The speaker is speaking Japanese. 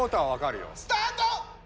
スタート！